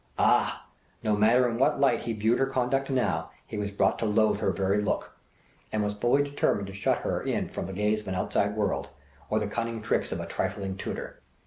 Ah! no matter in what light he viewed her conduct now he was brought to loathe her very look, and was fully determined to shut her in from the gaze of an outside world, or the cunning tricks of a trifling tutor.